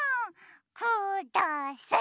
ください！